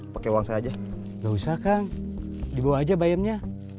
pakai uang saja usahakan dibawa aja bayamnya